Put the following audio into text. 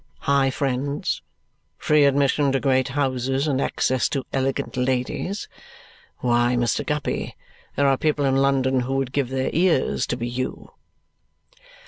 High friends, free admission to great houses, and access to elegant ladies! Why, Mr. Guppy, there are people in London who would give their ears to be you."